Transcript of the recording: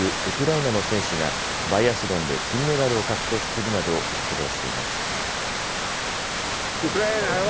ウクライナの選手がバイアスロンで金メダルを獲得するなど躍動しています。